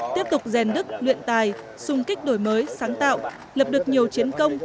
tiếp tục rèn đức luyện tài xung kích đổi mới sáng tạo lập được nhiều chiến công